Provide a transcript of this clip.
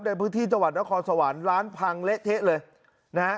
ในพื้นที่จังหวัดนครสวรรค์ร้านพังเละเทะเลยนะฮะ